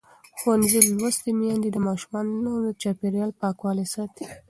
ښوونځې لوستې میندې د ماشومانو د چاپېریال پاکوالي ساتي.